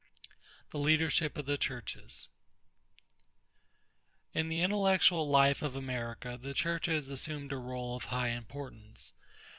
THE LEADERSHIP OF THE CHURCHES In the intellectual life of America, the churches assumed a rôle of high importance.